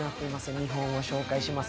２本を紹介します。